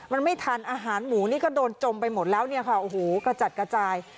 มันไม่ทันอาหารหมูนี่ก็โดนจมไปหมดแล้วเนี่ยค่ะโอ้โหกระจัดกระจาย